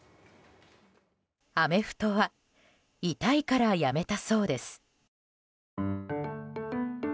アメフトは痛いからやめたそうです。